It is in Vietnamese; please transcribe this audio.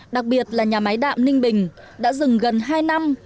đặc biệt là nhà máy đạm ninh bình đã dừng gần hai năm